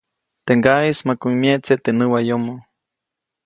Teʼ ŋgaʼeʼis makuʼuŋ myeʼtse teʼ näwayomo.